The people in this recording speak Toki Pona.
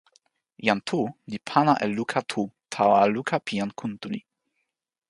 jan Tu li pana e luka tu tawa luka pi jan Kuntuli.